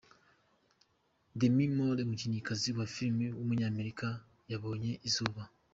Demi Moore, umukinnyikazi wa filime w’umunyamerika yabonye izuba.